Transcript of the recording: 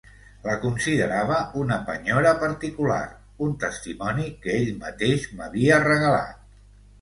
La considerava una penyora particular, un testimoni que ell mateix m'havia regalat.